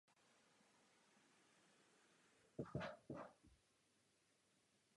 Jedná se o den či noc modliteb za mrtvé.